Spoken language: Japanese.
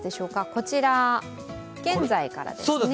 こちら、現在からですね。